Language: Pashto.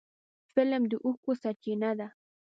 فلم د اوښکو سرچینه ده